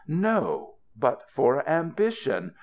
No ! But for ambition !